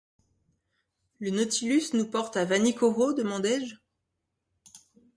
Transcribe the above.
Le Nautilus nous porte à Vanikoro ? demandai-je.